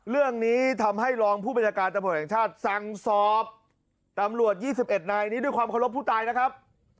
เรื่องนี้ทำให้รองผู้บัญชาการตำรวจแห่งชาติสั่งสอบตำรวจ๒๑นายนี้ด้วยความเคารพผู้ตายนะครับ